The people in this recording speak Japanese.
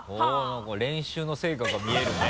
何か練習の成果が見えるね。